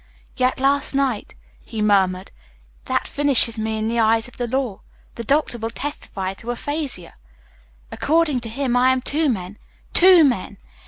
"Yet last night " he murmured. "That finishes me in the eyes of the law. The doctor will testify to aphasia. According to him I am two men two men!"